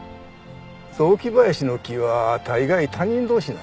雑木林の木は大概他人同士なんやで。